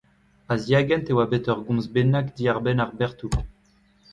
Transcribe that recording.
A-ziagent e oa bet ur gomz bennak diar-benn ar Bertoù.